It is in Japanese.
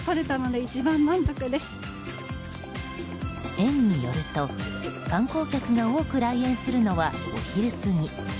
園によると観光客が多く来園するのはお昼過ぎ。